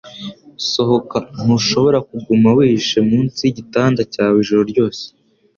Sohoka. Ntushobora kuguma wihishe munsi yigitanda cyawe ijoro ryose.